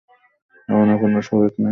আপনার কোনো শরীক নেই, আমি হাজির আছি।